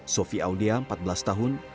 sofi audia empat belas tahun